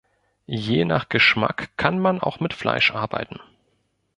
Je nach Geschmack kann man auch mit Fleisch arbeiten.